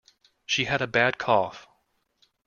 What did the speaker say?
She had a bad cough.